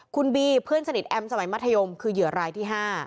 คุณบีเพื่อนสนิทแอมสมัยมัธยมคือเหยื่อรายที่๕